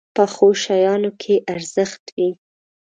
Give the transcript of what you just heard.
پخو شیانو کې ارزښت وي